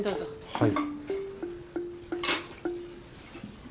はい。